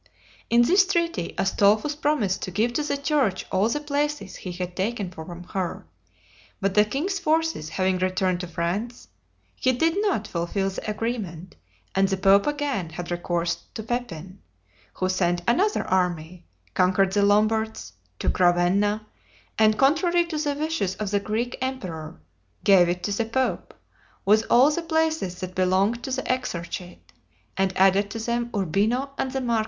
In this treaty, Astolphus promised to give to the church all the places he had taken from her; but the king's forces having returned to France, he did not fulfill the agreement, and the pope again had recourse to Pepin, who sent another army, conquered the Lombards, took Ravenna, and, contrary to the wishes of the Greek emperor, gave it to the pope, with all the places that belonged to the exarchate, and added to them Urbino and the Marca.